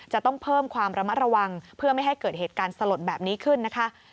จะต้องเพิ่มความระมัดระวังเพื่อไม่ให้เกิดเหตุการณ์สลดแบบนี้ขึ้นนะคะ